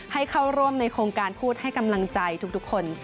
ให้เข้าร่วมในโครงการพูดให้กำลังใจทุกคน